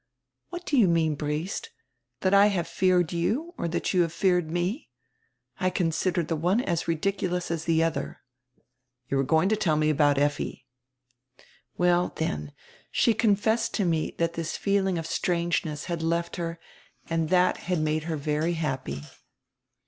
"What do you mean, Briest? That I have feared you, or that you have feared me? I consider the one as ridicu lous as the other." "You were going to tell me about Effi." "Well, then, she confessed to me that this feeling of strangeness had left her and that had made her very happy.